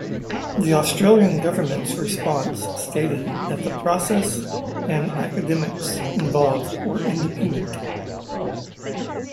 The Australian government response stated that the process and academics involved were independent.